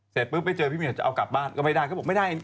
เสร็จปุ๊บไปเจอพี่เมียจะเอากลับบ้านก็ไม่ได้